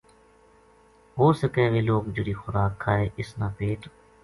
ہو سکے ویہ لوک جہڑی خوراک کھائے اس نال پیٹ